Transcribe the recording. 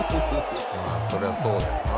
まあそりゃそうだよな。